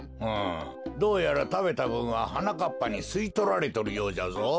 うんどうやらたべたぶんははなかっぱにすいとられとるようじゃぞ。